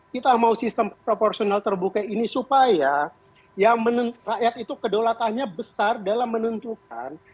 kita mau sistem proporsional terbuka ini supaya yang rakyat itu kedaulatannya besar dalam menentukan